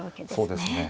そうですね。